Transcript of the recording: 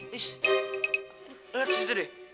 liz lihat disitu deh